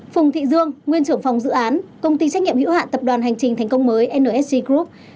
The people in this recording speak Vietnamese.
phùng thị dương nguyên trưởng phòng dự án công ty trách nhiệm hữu hạn tập đoàn hành trình thành công mới nsc group